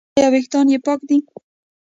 ایا ویښتان یې پاک دي؟